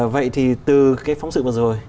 vậy thì từ phóng sự vừa rồi